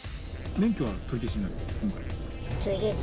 免許は取り消しになる、取り消し？